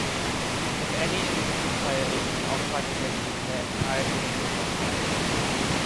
If any individual player is in an offside position, their entire team is offside.